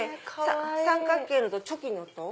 三角形のとチョキのと。